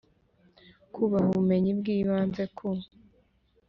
kubaha ubumenyi bw ibanze ku